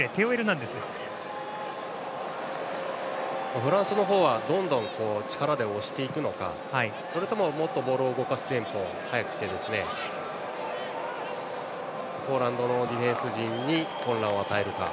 フランスの方はどんどん力で押していくのかそれとも、もっとボールを動かしてテンポを速くしてポーランドのディフェンス陣に混乱を与えるか。